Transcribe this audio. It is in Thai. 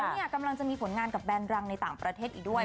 เนี่ยกำลังจะมีผลงานกับแบรนดรังในต่างประเทศอีกด้วย